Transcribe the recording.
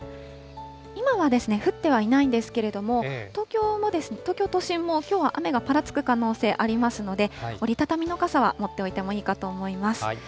今はですね、降ってはいないんですけれども、東京都心もきょうは雨がぱらつく可能性ありますので、折り畳みの傘は持っておいてもいいかと思います。